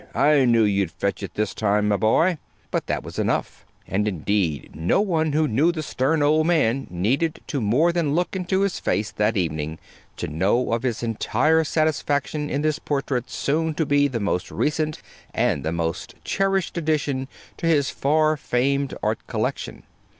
I knew you'd fetch it this time, my boy!" But that was enough. And, indeed, no one who knew the stern old man needed to more than look into his face that evening to know of his entire satisfaction in this portrait soon to be the most recent, and the most cherished addition to his far famed art collection.